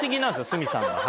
鷲見さん